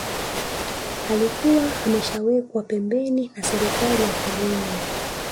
alikuwa ameshawekwa pembeni na serikali ya karume